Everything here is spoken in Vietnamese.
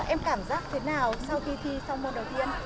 em cảm giác thế nào sau khi thi sau môn đầu tiên